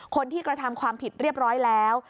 คนที่กระทำความผิดเรียบร้อยแล้ว